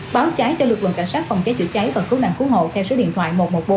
báo cháy cho lực lượng cảnh sát phòng cháy chữa cháy và cứu nạn cứu hộ theo số điện thoại một trăm một mươi bốn